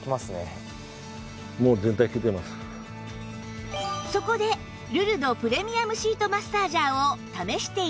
そこでルルドプレミアムシートマッサージャーを試して頂くと